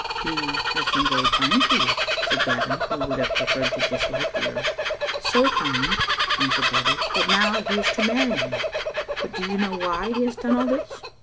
"He has been very kind to you," said Gavin, who would have preferred to dislike the earl. "So kind," answered Babbie, "that now he is to marry me. But do you know why he has done all this?"